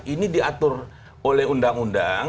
ini diatur oleh undang undang